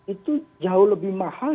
itu jauh lebih mahal